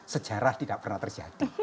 sejarah tidak pernah terjadi